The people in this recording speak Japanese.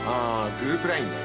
グループＬＩＮＥね。